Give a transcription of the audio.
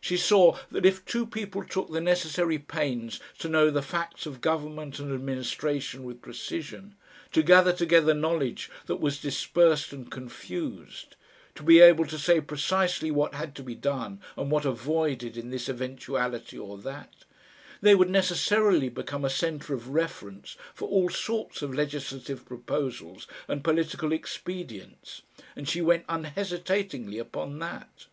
She saw that if two people took the necessary pains to know the facts of government and administration with precision, to gather together knowledge that was dispersed and confused, to be able to say precisely what had to be done and what avoided in this eventuality or that, they would necessarily become a centre of reference for all sorts of legislative proposals and political expedients, and she went unhesitatingly upon that.